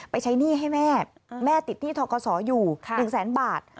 ไปใช้หนี้ให้แม่แม่ติดหนี้ทองกศอยู่๑๐๐๐๐๐บาท